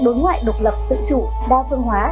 đối ngoại độc lập tự chủ đa phương hóa